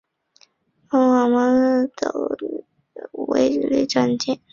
德皇巴巴罗萨号战列舰是德意志帝国的一艘德皇腓特烈三世级前无畏战列舰。